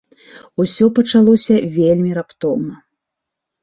Усё пачалося вельмі раптоўна.